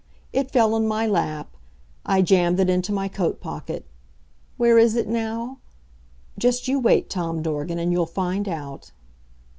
It fell in my lap. I jammed it into my coat pocket. Where is it now? Just you wait, Tom Dorgan, and you'll find out.